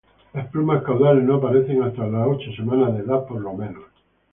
Las plumas caudales no aparecen hasta las ocho semanas de edad por lo menos.